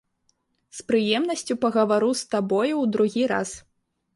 З прыемнасцю пагавару з табою ў другі раз.